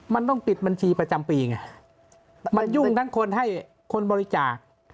มันต้องปิดบัญชีประจำปีไงมันยุ่งทั้งคนให้คนบริจาค